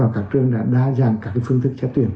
các trường đã đa dạng các phương thức xét tuyển